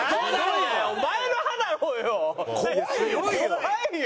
怖いよ。